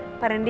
ya pak rendy